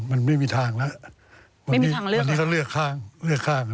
มันไม่มีทางแล้วมันต้องเลือกข้าง